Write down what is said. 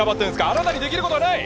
あなたにできることはない！